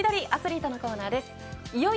アツリートのコーナーです。